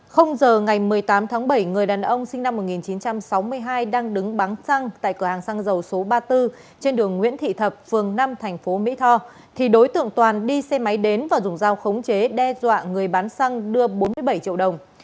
giờ ngày một mươi tám tháng bảy người đàn ông sinh năm một nghìn chín trăm sáu mươi hai đang đứng bắn xăng tại cửa hàng xăng dầu số ba mươi bốn trên đường nguyễn thị thập phường năm tp mỹ tho thì đối tượng toàn đi xe máy đến và dùng dao khống chế đe dọa người bán xăng đưa bốn mươi bảy triệu đồng